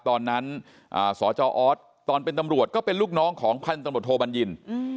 ตอนนั้นสจออสตอนเป็นตำรวจก็เป็นลูกน้องของพันธุ์ตำรวจโทบัญญิน